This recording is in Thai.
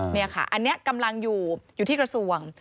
นี่ค่ะอันนี้กำลังอยู่อยู่ที่กระทรวง